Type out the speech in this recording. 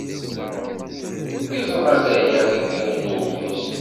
Yeẓra-d aya deg yiwen n uɣmis.